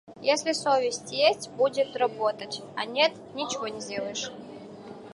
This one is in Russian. Если совесть есть, будет работать, а нет — ничего не сделаешь.